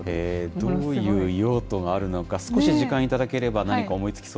どういう用途があるのか、少し時間頂ければ、何か思いつきそ